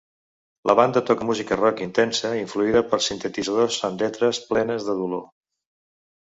La banda toca música rock intensa influïda per sintetitzadors amb lletres plenes de dolor.